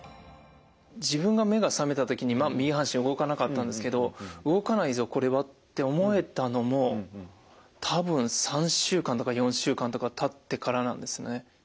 自分が目が覚めた時に右半身動かなかったんですけど「動かないぞこれは」って思えたのも多分３週間とか４週間とかたってからなんですね。